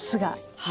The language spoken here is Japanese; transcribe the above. はい。